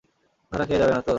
ধরা খেয়ে যাবো না তো?